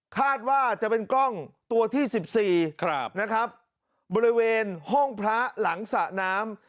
คาดว่าจะเป็นกล้องตัวที่๑๔นะครับบริเวณห้องพระหลังสระน้ำ